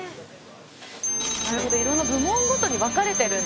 なるほどいろんな部門ごとに分かれてるんですね。